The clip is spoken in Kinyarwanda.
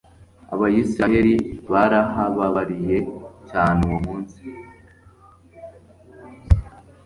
abayisraheli barahababariye cyane uwo munsi